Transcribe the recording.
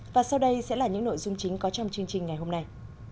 và sau đây sẽ là những nội dung chính có trong chương trình ngày hôm nay